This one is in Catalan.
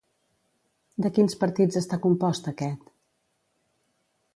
De quins partits està compost aquest?